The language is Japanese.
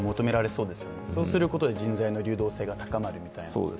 そうすることで人材の流動性が高まるみたいな。